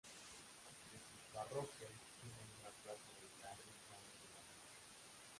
De sus parroquias tienen una plaza Bolívar en cada poblado.